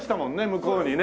向こうにね。